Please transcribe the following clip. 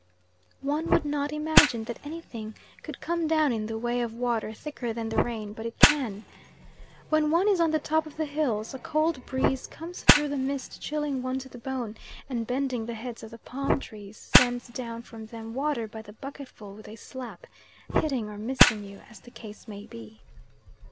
One would not imagine that anything could come down in the way of water thicker than the rain, but it can. When one is on the top of the hills, a cold breeze comes through the mist chilling one to the bone, and bending the heads of the palm trees, sends down from them water by the bucketful with a slap; hitting or missing you as the case may be.